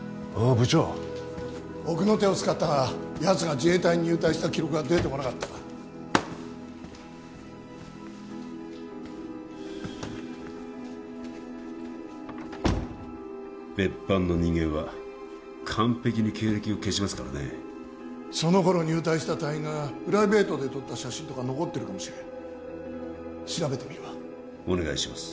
部長奥の手を使ったがやつが自衛隊に入隊した記録は出てこなかった別班の人間は完璧に経歴を消しますからねその頃入隊した隊員がプライベートで撮った写真とか残ってるかもしれん調べてみるわお願いします